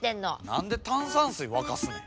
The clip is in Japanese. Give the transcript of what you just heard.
何で炭酸水沸かすねん。